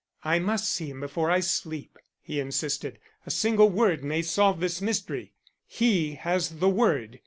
"I must see him before I sleep," he insisted. "A single word may solve this mystery. He has the word.